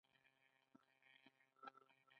د خولې د زخم لپاره د څه شي اوبه وکاروم؟